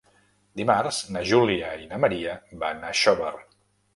Dimarts na Júlia i na Maria van a Xóvar.